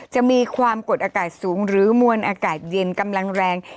จะมีความกดอากาศสูงหรือมวลอากาศเย็นกำลังแรง